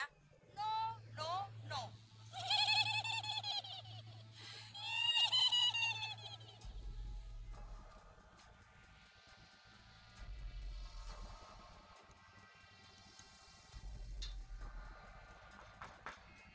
tidak tidak tidak